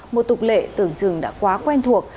một tục lệ tưởng chừng đã quá quen thuộc